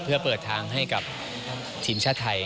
เพื่อเปิดทางให้กับทีมชาติไทย